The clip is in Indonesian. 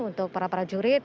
untuk para prajurit